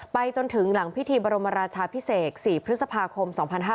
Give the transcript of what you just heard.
จนถึงหลังพิธีบรมราชาพิเศษ๔พฤษภาคม๒๕๕๙